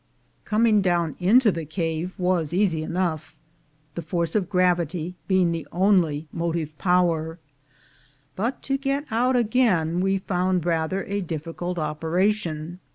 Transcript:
Coming down into the cave was easy enough, the force of gravity being the only motive power, but to get out again we found rather a difficult operation.